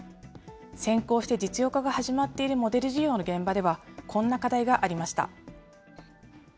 先行して実用化が始まっているモデル事業の現場では、こんな課題がありました。